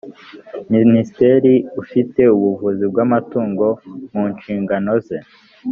minisitiri ufite ubuvuzi bw’amatungo mu nshingano ze